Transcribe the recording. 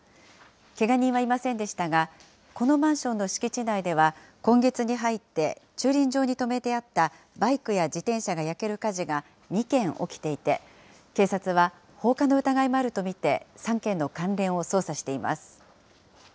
けが人はいませんでしたが、このマンションの敷地内では、今月に入って駐輪場に止めてあったバイクや自転車が焼ける火事が２件起きていて、警察は放火の疑いもあると見て、３件の関連を捜査しています。